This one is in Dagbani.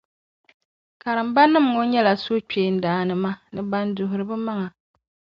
Karimba ʒirinim’ ŋɔ nyɛla suhukpeendaannima ni bɛn duhiri bɛmaŋa.